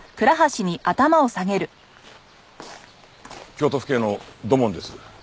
京都府警の土門です。